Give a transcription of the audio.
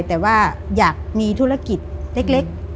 แต่ว่าอยากมีธุรกิจเล็ก